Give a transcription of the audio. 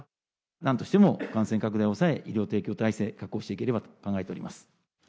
なんとしても感染拡大を抑え、医療提供体制、確保していければと考えております。